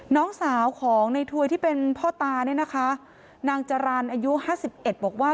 น้องสาวของในถวยที่เป็นพ่อตาเนี่ยนะคะนางจรรย์อายุห้าสิบเอ็ดบอกว่า